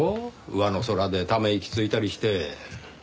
上の空でため息ついたりして。